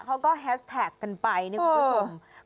เขาก็แฮชแท็กกันไปนึกว่าคุณคุณคุณ